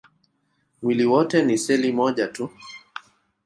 Mwili wote ni seli moja tu.